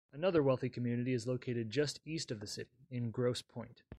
Another wealthy community is located just east of the city, in Grosse Pointe.